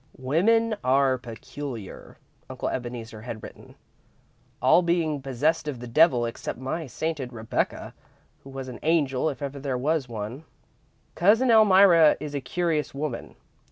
"Women are peculiar," Uncle Ebeneezer had written, "all being possessed of the devil, except my sainted Rebecca, who was an angel if there ever was one. "Cousin Elmira is a curious woman.